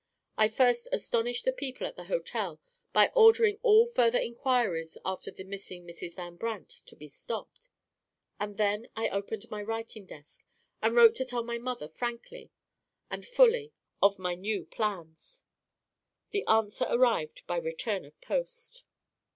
I first astonished the people at the hotel by ordering all further inquiries after the missing Mrs. Van Brandt to be stopped; and then I opened my writing desk and wrote to tell my mother frankly and fully of my new plans. The answer arrived by return of post.